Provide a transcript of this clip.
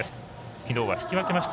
きのうは引き分けました